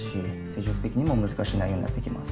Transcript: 施術的にも難しい内容になってきます。